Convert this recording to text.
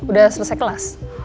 udah selesai kelas